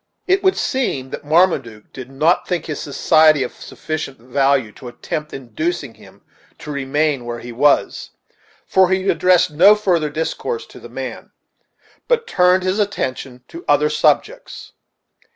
It would seem that Marmaduke did not think his society of sufficient value to attempt inducing him to remain where he was, for he addressed no further discourse to the man, but turned his attention to other subjects.